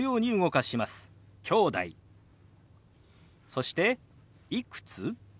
そして「いくつ？」。